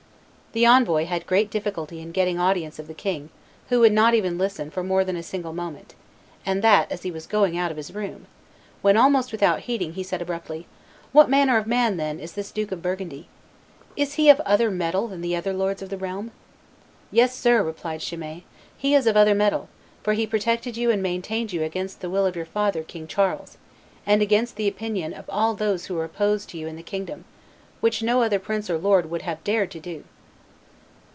The envoy had great difficulty in getting audience of the king, who would not even listen for more than a single moment, and that as he was going out of his room, when, almost without heeding, he said abruptly, "What manner of man, then, is this Duke of Burgundy? Is he of other metal than the other lords of the realm?" "Yes, sir," replied Chimay, "he is of other metal; for he protected you and maintained you against the will of your father King Charles, and against the opinion of all those who were opposed to you in the kingdom, which no other prince or lord would have dared to do."